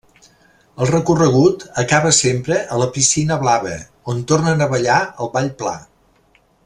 El recorregut acaba sempre a la Piscina Blava, on tornen a ballar el Ball Pla.